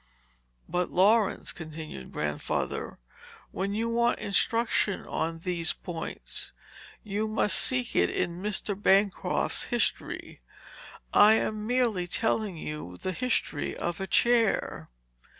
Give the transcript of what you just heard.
"But, Laurence," continued Grandfather, "when you want instruction on these points, you must seek it in Mr. Bancroft's History. I am merely telling the history of a chair.